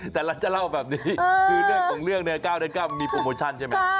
แต่เราจะเล่าแบบนี้คือเรื่องของเรื่องเนี่ย๙ใน๙มีโปรโมชั่นใช่ไหม